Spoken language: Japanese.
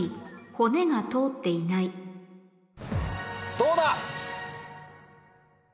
どうだ？